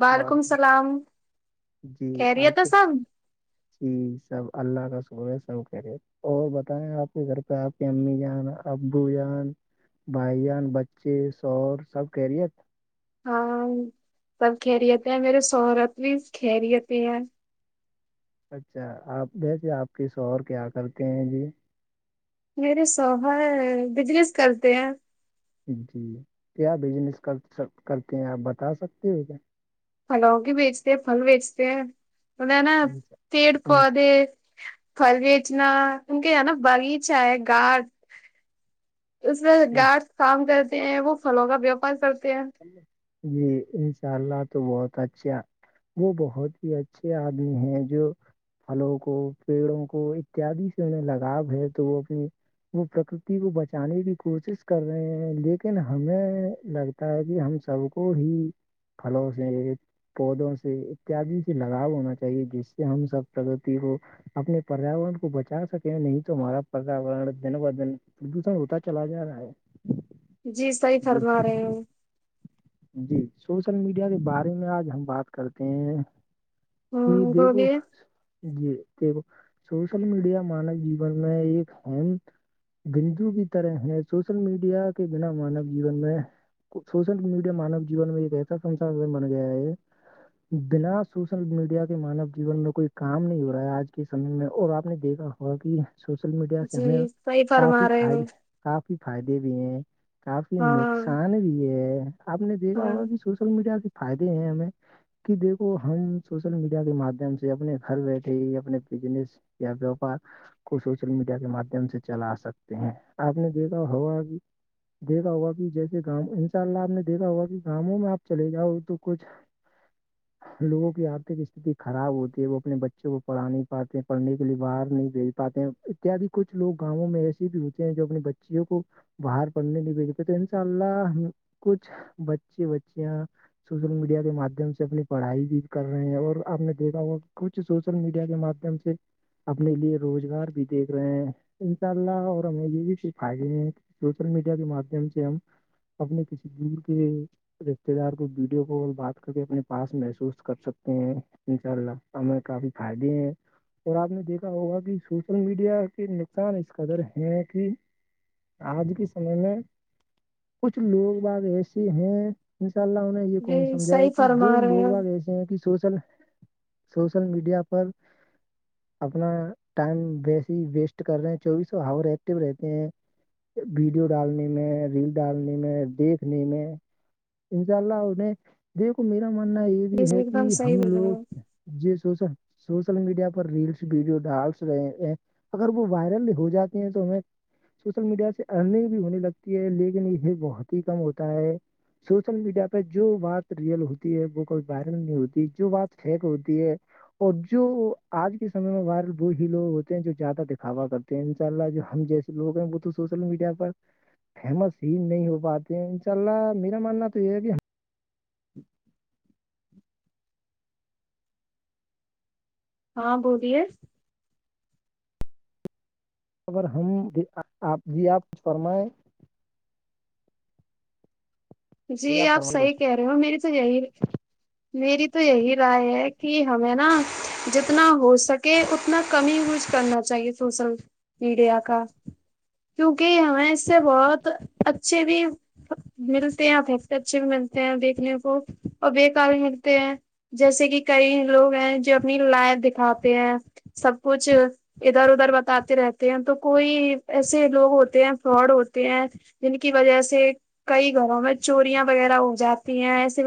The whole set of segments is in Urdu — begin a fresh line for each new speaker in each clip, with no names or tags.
وعلیکم السلام
جی
اریت
آپ
ہے
کے
سان
جی سب اللہ کا سبے سب کرے اور بتائیں آپ کے گھر پہ آپ کی امی جان ابو جان بھائیان بچے سور سب کہہ رہی ہے
ہاں سب کھیہریتے ہیں میرے شہرت بھی کھیہریتی ہیں
اچھا آپ ویسے آپ کس اور کیا کرتے ہیں جی [unintelligible]
نہیںیرے سہائے بزنیس کرلتے ہیں
جی کیا بزنس کر کرتے ہیں آپ بتا سکتے ہو کیا
پلاؤں کی بیچتے ہیں پھل بیچتے ہیں مط ہے نا پیڑ پودے پھل بیچنا کیونک یہ نا باغیچہ ہے گاڈ اس میں گاڈ کام کرتے ہیں وہ پھلوں کا بیپار کرتے ہیں
جی انشاء اللہ تو بہت اچھا وہ بہت ہی اچھے آدمی ہیں جو پھلوں کو پیڑوں کو اتیادی سے انیں لگاؤ ہے تو وہ اپنی وہ پرکتی کو بچانے کی کوشش کر رہے ہیں لیکن ہمیں لگ لتا ہے کہ ہم سب کو ہی پھلوں سے پودوں سے اتیادی سے لگاؤ ہونا چاہیے جس سے ہم سب پرگتی کو اپنے پریاورن کو بچا سکیں نہیں تو ہمارا پریاورن دن ب دن پردوشن ہوتا چلا جا رہا ہے
جی صحیح
جی
فرما رہے ہیں
جی سوشل میڈیا کے بارے میں آج ہم بات کرتے ہیں ج
ہوں
دیکھو
بولیے
جی دیکھ سوشل میڈیا مانو جیون میں ایک ام بندو کی طرح ہے سوشل میڈیا کے بنا مانو جیون میں سوشل میڈیا کے مانو جیون میں ایک ایسا سسار میں من گیا ہے بنا سوشل میڈیا کے مانو جیون میں کوئی کام نہیں ہو رہا ہے آج کے سمے میں اور آپ نے دیکھا اور کہ سوشل میڈیا سے ہمیں
جی صحیح
کافی
فرما رہے ہو
فائدے کافی فائدے بھی ہیں کافی
ہاں
نقصان بھی ہے آپ نے دیکھا
ہاں
ہوگا کہ سوشل میڈیا کے فائدے ہیں ہمیں کہ دیکھو ہم سوشل میڈیا کے مادھیم سے اپنے گھر بیٹھے ہی اپنے بزنیس یا پو پار کو سوشل میڈیا کے مادھیم سے چلا سکتے ہیں آپ نے دیکھا ہوا کہ دیکھا ہوا کہ جیسے گاں ان شاء اللہ آپ نے دیکھا ہوا کہ گموں میں آپ چلے جاؤ تو کچھ لوگوں کی آرتک استھھی خراب ہوتی ہے وہ اپنے بچوں کو پڑھا نہیں پاتے پڑھنے کے لیے باہر نہیں بھیج پاتے اتیادی کچھ لوگ گاؤوں میں ایسے بھی ہوتے ہیں جو اپنی بچیوں کو باہر پڑھنے نہیں بھیجتےے تو انساء اللہ بچی بچیاں سوشل میڈیا کے مادھیم سے اپنی پڑھائی بھی کر رہے ہیں اور آپ نے دیکھا ہوا کچھ کچھ سوشل میڈیا کے مادھیم سے اپنے لیے روزگار بھی دیکھ رہے ہیں انشاء اللہ اور ہمیں یہ بھی سکھائےے ہیں سوشل میڈیا کے مادھیم سے ہم اپنے کسی دور کے رشتے دار کو ویڈیو کال بات کر کے اپنے پاس محسوس کر سکتے ہیں انشاء اللہ ہمیں کافی فائدے ہیں اور آپ نے دیکھا ہوگا کہ سوشل میڈیا کے نقصان اس قدر ہیں کہ آج کے سمے میں کچھ لوگ ب ایسے ہیں انشاء اللہ یہ
جی
کون سمجھا ہے
صحیح
کہ وہ
فرما رہے
لوگ
ہو
باگ ایسے ہیں کہ سوشل سوشل میڈیا پر اپنا ٹائم ویسی ویسٹ کر رہے ہیں چوبیسو ہاور ایکٹو رہتے ہیں ویڈیو ڈالنے میں ریل ڈالنے میں دیکھ میں انشاء اللہ انہیں دیکھو میرا ماننا یہ بھی
جی
ہے
ایک دم
کہ
صحیح
ہم
بول رہے ہو
لوگ ج سوشل سوشل میڈیا پر ریلس ویڈیو ڈال رہے ہیں اگر وہ وائرل ہو جاتی ہیں تو ہمیں سوشل میڈیا سے ارننگ بھی ہونے لگتی ہے لیکن یہ بہت ہی کم ہوتا ہے سوشل میڈیا پہ جو بات ریئل ہوتی ہے وہ کوئی وائرل نہیں ہوتی جو بات فیک ہوتی ہے اور جو آج کے سمے میں وائرل وہ ہی لوگ ہوتے ہیں جو زیادہ دکھاوا کرتے ان شاء اللہ جو ہم جیسے لوگ ہیں وہ تو سوشل میڈیا پر فیمس ہی نہیں ہو پاتے ہیں چلا میرا ماننا تو یہ بھی
ہاں بولیےس
خر ہم آپ جی آپ کچھ فرمائیں
جی آپ صحیح کہہ رہے ہو میری تو یہی میری تو یہی رائے ہے کہ ہمیں نا جتنا ہو سک کہ اتنا کمی ہی یوز کرنا چاہیے سوشل میڈیا کا کیونکہ ہمیں اس سے بہت اچھے بھی مل ہیں پیکتے اچھے بھی ملتے ہیں دیکھنے کو اور بے کار بھی ملتے ہیں جیسے کہ کئی لوگ ہیں جو اپنی لائف دکھاتے ہیں سب کچھ ادھر ادھر بتاتے رہتے ہیں تو کوئی ایسے لوگ ہوتے ہیں فراڈ ہوتے ہیں جن کی وجہ سے کئی گھروں میں چوریاں وغیرہ ہو جاتی ہیں ایسے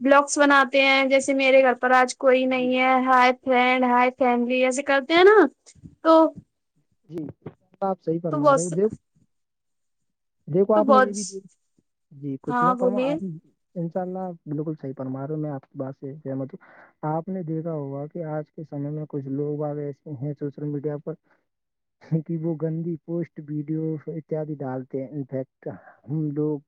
بلاکس بناتے ہیں جیسے میرے گھر پر آج ک کوئی
جی
نہیں ہے ہائی فرینڈ ہائی فیملی ایسے کرتے ہیں نا تو
جی آپ صحیح
تو
فرما رہے ہو
بہت
دیو دیکھو
تو
آپ نے
بہت
یہ بھی دیک جی کچھ میں
ہاں
پر
بولیے
آپ انشاء اللہ بالکل صحیح پرنماروں میں آپ کی بات سے سمت ہوں آپ نے دیکھا ہوگا کہ آج کے سمے میں کچھ لوگ آ ایسے ہیں سوشل میڈیا پر کی کہ وہ گندی پوسٹ ویڈیو اتیادی ڈالتے ہیں انفیکٹ ہم لوگ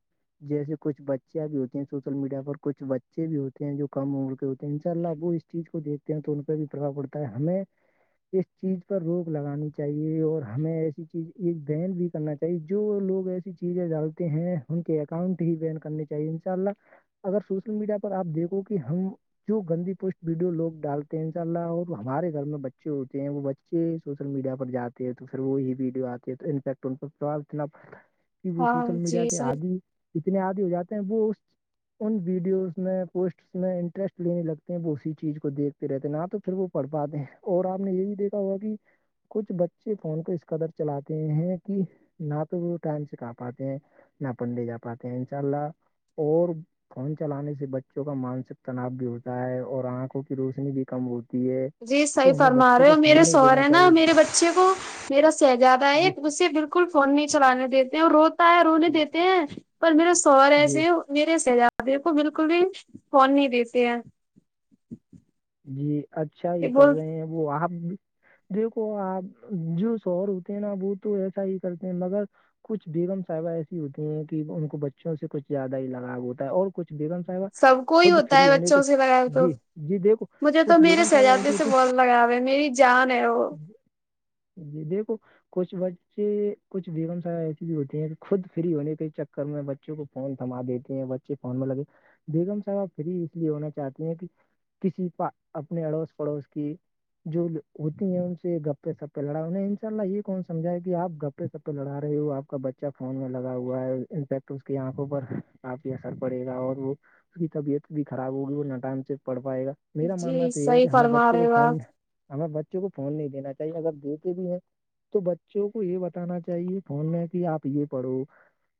جیسے کچھ بچیاں بھی ہوتی ہیں سوشل میڈیا پر کچھ بچے بھی ہوتے ہیں جو کم عمر کے ہوتے ہیں انشاء اللہ وہ چیز کو دیکھتے ہیں تو ان پہ بھی پربھا پڑتا ہے ہمیں اس چیز پر روک لگانی چاہیے اور ہمیں ایسی چیز ایک بین بھی کرنا چاہیے جو لوگ ایسی چیزیں ڈالتے ہیں ان کے اکاؤنٹ ہی وین کرنے چاہیے ان شاء اللہ اگر سوشل میڈیا پر آپ دیکھو کہ ہم جو گندی پوسٹ ویڈیو لوگ ڈالتے ہیں ان شاء اللہ اور ہمارے گھر میں بچے ہوتے ہیں وہ بچے سوشل میڈیا پر جاتے ہیں تو پھر وہی ویڈیو آتی ہے تو انفیکٹ اتنا پڑتا ہے کہ وہ
ہاں
سوشل میڈیا
جی
کے
صحیح
آدی اتنے آدی ہو جاتے ہیں وہ اس ان ویڈیوز میں پوسٹس میں انٹرسٹ لینے لگتے ہیں وہ اسی چیز کو دیکھ رہتے نہ تو پھر وہ پڑھ پاتے ہیں اور آپ نے یہ بھی دیکھا ہوا کہ کچھ بچے فون کو اس قدر چلاتے ہیں کہ نہ تو وہ ٹائم سے کا پاتے ہیں ناپن لے جا پاتے ہیں ان شاء اللہ اور فون چلانے سے بچوں کا مانسک تناؤ بھی ہوتا ہے اور آنکھوں کی روشنی بھی کم ہوتی ہے
جی صحی
تو ہمیں
فرما
بچوں
رہے
کو
ہو میرے
فون نہیں دینا
سوہرے نا
چاہیے
میرے بچے بچے کو میرا شہزادہ ہے
جی
اسے بالکل فون نہیں چلانے دیتے اور روز ت رونے دیتے ہیں پر میرا سوور
جی
ایسے میرے سہزادی کو بالکل بھی فون نہیں دیتے ہیں
جی اچھا ہی کر
بول
رہے ہیں وہ آپ بھی دیکھو آپ جو شور ہوتے ہیں نا وہ تو ایسا ہی کرتے ہیں مگر کچھ بیگم صاحبہ ایسی ہوتی ہیں کہ ان کو بچوں سے کچھ زیادہ ہی لگاؤ ہوتا ہے اور کچھ بیگم صاحبہ
سب کو ہی
خود
ہوتا
فری
ہے
ہونے کے
بچوں سے لگاؤ تو
جی جی دیکھو
مجھے تو
کچھ
میرے
بیگم صاحبہ
سجادی
ایسی
سے
ہوتی
بول لگاوے ہے میری جان ہے وہ
ہیں جی دیکھو کچھ بچے کچھ ومسایا ایسی بھی ہوتی ہیں کہ خود فری ہونے کے چکر میں بچوں کو فون تھما دیتے ہیں بچے فون میں لگے بیگم صاحب پری اس لیے ہونا چاہتے ہیں کہ کسی پ اپنے اڑوس پڑوس کی جو ہوتی ہیں ان سے گپے سپے لڑا انہیں انشاء اللہ یہ کون سمجھایا کہ آپ گ س سب پہ لڑا رہی ہوں آپ کا بچہ فون میں لگا ہوا ہے انفیکٹ اس کی آنکھوں پر کافی اثر پڑے گا اور وہ اس کی طبیعت بھی خراب ہوگی وہ نہ ٹائم سے پڑ پائے گا میرا ماننا
جی
تو یہ ہے کہ
صحیح
ہمیں
فرما
بچوں کو
رہے ہو
فون
آپ
ہمیں بچوں کو فون نہیں دینا چاہیے اگر دیتے بھی ہیں تو بچوں کو یہ بتانا چاہیے فون میں کہ آپ یہ پڑھو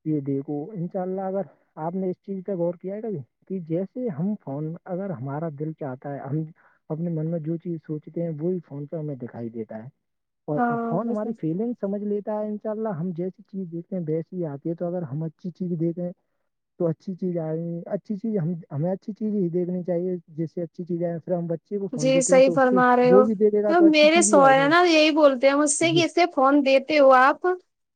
یہ دیکھو انشاء اللہ اگر آپ نے اس چیز پہ غور کیا ہے گا کہ جیسے ہم فون اگر ہمارا دل چاہتا ہے ہم اپنے من میں جو چیز سوچتے ہیں وہ بھی فون پہ ہمیں دکھائی دیتا ہے اور آ فون ہمری
ہاں
فیلگ سمجھ لیتا ہے ان شاء اللہ ہم جیسی چیز دیکھتے ویسی ہی آتی ہے تو اگر ہم اچھی چیز دیکھیں تو اچھی چیز آ رہی اچھی چیز ہمیں اچھی چیز ہی دیکھنی چاہیے جیے چ چیز بچے کو فون
جی
دیتے ہیں
صحیح
تو اس کے
فرما رہے
وہ بھی دیکھے گا
ہو
تو اچھی
میرے
چیز ہی آئے
سہرے
گی
نا یہی بولتے ہیں مجھ سے
جی
کہ اسے فون دی ہو آپ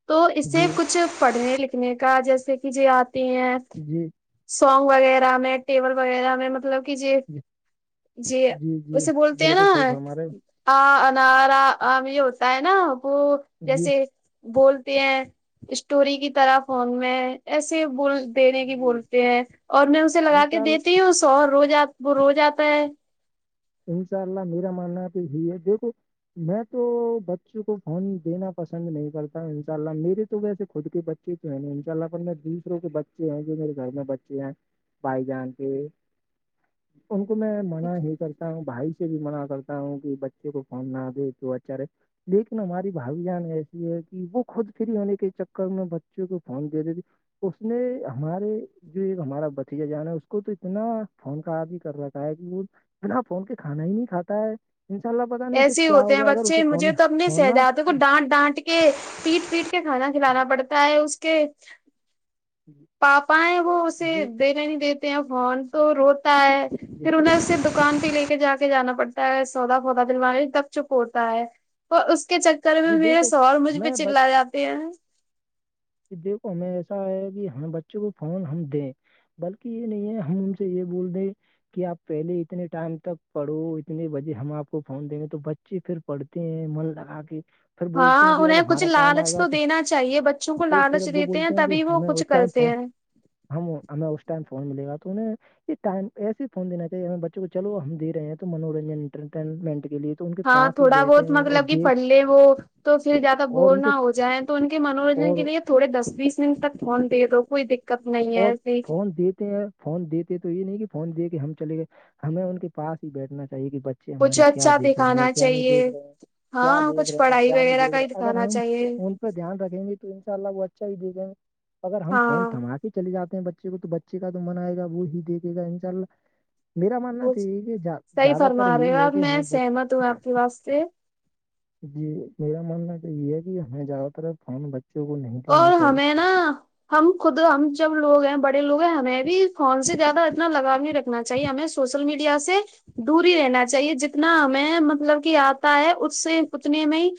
تو
جی
اسے کچھ پڑھنے لکھنے کا جیسے کہ ج آتے ہیں
جی
سونگ وغیرہ میں ٹیبل وغیرہ میں مطلب کہ ج
جی
ج
جی جی
اسے بولتے ہیں
بالکل
نا
صحیح فرما رہے ہو
آ انارام یہ ہوتا ہے نا وہ
جی
جیسے بولتے ہیں اسٹوری کی طرح فون میں ایسے بول پنے کی
جی
بولتے ہیں اور میں اسے لگا کے
انشاء
دیتی ہوں سو رو ج وہ رو جاتا ہے
انشاء اللہ میرا ماننا تو یہی ہے دیکھو میں تو بچوں کو فون دینا پسند نہیں کرتا ہوں انشاء اللہ میرے تو ویسے خود کے ب تو ہے ن ان شاء اللہ پر میں دوسروں کے بچے ہیں جو میرے گھر میں بچے ہیں بائی جان کے ان کو میں منع ہی ہ بھائی سے بھی منع کرتا ہوں کہ بچے کو فون نہ دے تو اچارے لیکن ہماری بھائی جان ایسی ہے کہ وہ خود فری ہونے کے چکر میں بچوں کو فون دیتے تھے اس نے ہمارے جو ایک ہمارا بھتیجا جان ہے اس کو تو اتنا فون کا آ ہی کر را ہے کہ وہ نا فون کے کھانا ہی نہیں کاتا ہے انشء اللہ پہ
ایسے ہوتے ہیں بچے مجھے تو اپنے
نہ
سہجادوں کو ڈانٹ ڈانٹ کے کے پیٹ پیٹ کے کھانا کھلانا پڑتا ہے اس کے پاپا ہے وہ اسے
جی
دنےا نہیں دیتے ہیں فون تو روتا ہے
جی
پھر انہیں اسے دکان پہ لے کے جا کے جانا پڑتا ہے سودا ہوتا دوے تک چپ ہوتا ہے اور اس کے چکر میں
جی
میرے
دیکھو
سوور مجھ پہ
ہمیں بچ
چلا جاتا [inaudible]
کہ دیکھو ہمیں ایسا آیا کہ ہم بچوں کو فون ہم دیں بلکہ یہ نہیں ہے ہم ان سے یہ بول دیں کہ آپ پہلے اتنے ٹائم تک پڑھو اتنے بجے ہم آپ کو فون دیں گے تو بچے پھر پڑھتے ہیں من لگا کے پھر بولتے ہیں
ہاں
کہ اب
انہیں کچھ
ہمارا ٹائم آئے
لالچ
گا تو
دینا چاہیے بچوں کو
تو پھر
لالچ
وہ
دیتے ہیں
بولتے کہ
تبھی وہ
ہمیں
کچھ
اس ٹائم
کرتے
فون
ہیں
ہم ہمیں اس ٹائم فون ملے گا تو انہیں یہ ٹائم ایے ہی فون دین چاہیے ہم بچوں کو چلو ہم دے ہیں تو منورنجن انٹرٹینمنٹ کے لیے تو ان کے
ہاں
پاس ہی
تھوڑا
بیٹھے
بہت
ہیں اور
مطلب کہ پڑ
دیکھ
لے وہ تو پھر زیادہ
اور
بور
ان کے
نہ ہو جائےیں تو ان کے منورنجن کے
اور
لیے تھوڑے دس بیس منٹ تک فہون دے دو کوئی د
اور فون دیتے ہیں فون دیتے تو یہ نہیں کہ فون دے کہ ہم چلے گئے ہمیں ان کے پس ہی بیٹھنا چاہیے کہ بچ اچھے
کچھ
ہمارے کیا
اچھا
دیکھ رہے ہیں
دکھانا
کیا نہیں
چاہیے
دیکھ رہے ہیں کیا
ہاں
دیکھ
کچھ
رہے ہیں
پڑھائی
کیا نہیں
وغیرہ
دیکھ
کا ہی
رہے اگر
دکھانا
ہم
چاہیے
ان پہ دھیان رکھیں گے تو ان شاء اللہ وہ اچھا ہی دیکھیں گے اگر ہم فون
ہاں
تھما کے جاتے ہیں بچے کو تو بچے کا تو من آئے گ وہی دیکے گا ان شاء اللہ میرا ماننا تو یہ کہ
صحیح
زیادہ تر یہ ہے کہ ہمیں
واستے [unintelligible]
جی میرا ماننا تو یہ ہے کہ ہمیں زیادہ تر فون [unintelligible] دینا
اور
چاہیے
ہمیں نا [unintelligible] ہم خود ہم جب لوگ ہیں بڑے لو ہیں ہمیں بھی فون سے زیادہ اتنا لگاؤ نہیں رکھ [unintelligible] نا چاہیے ہمیں سوشل میڈیا سے دوری رہنا چاہیے جتنا ہمیں مطلب کہ آتا ہے اس سے اتنے میں ہی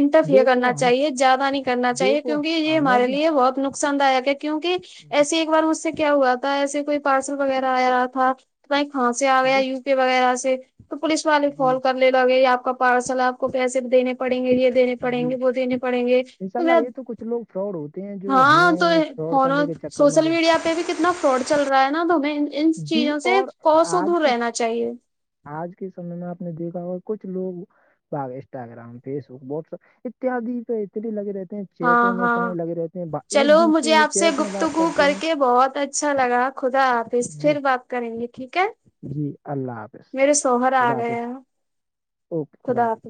انٹرفیئر
دیکھو
کرنا
ہم
چاہیے زیادہ نہیں کرنا چاہیے
دیکھو
کیونکہ یہ
ہمیں
ہمارے
بھی
لیے بہت نقصان داک ہے کیونکہ [unintelligible]
جی
ایسے ایک بار مجھ سے کیا ہوا تھا ایسے کوئی پارسل وغیرہ آ رہا تھا ب کہاں سے آ گیا یو پی وغیرہ سے تو پولیس والے
جی
فال کر لے ل گئی آپ کا پارسل آپ کو پیسے دینے پہ [unintelligible] پڑیں گے یہ دینے پڑیں
جی
گے وہ دینے پڑیں گے
انشاء
تو میں
اللہ یہ تو کچھ لوگ فراڈ ہوتے ہیں جو ہمیں فراڈ
فونوں
کرنے کے چکر میں
سوشل
رتے
میڈیا پہ بھی کتنا فراڈ چل رہا ہے نا تومہیں ان
جی
چیزوں سے
اور
کوس کو
آج
دور
کے
رہنا چاہیے
آج کے سمے میں آپ نے دیکھا اور کچھ لوگ انسٹاگررام فیس بک واٹسپ اتیادی پہ اتنے بھی لگے رہتے ہیں
ہاں
چیٹوں میں
ہاں
اتنے لگے رہتے ہیں با-
چلو
ایک دوسرے
مجھے آپ سے
چیٹ میں بات
گفتگو
کرتے
کر
ہیں
کے بہت اچ اچھا لگا خدا
جی
پھر بات کریں گے ٹھیک ہے
جی اللہ حافظ
میرے شوہر آ
خدا
گیا
حافظ اوکے خدا حافظ